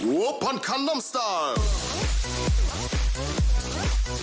โว๊ปพันธุ์คันดำสไตล์